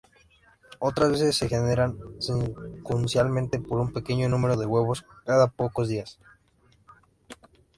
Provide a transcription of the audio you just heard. Otras veces se generan secuencialmente, por un pequeño número de huevos cada pocos días.